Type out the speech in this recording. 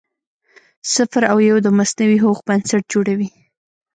صفر او یو د مصنوعي هوښ بنسټ جوړوي.